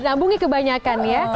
nambungi kebanyakan ya